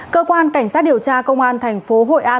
cơ quan cảnh sát điều tra công an tp hội an